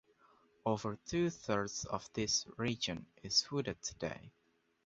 Over two thirds of this region is wooded today.